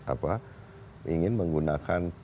apa ingin menggunakan